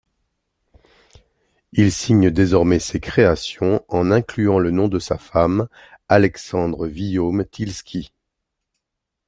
Il signe désormais ses créations en incluant le nom de sa femme, Alexandre Vuillaume-Tylski.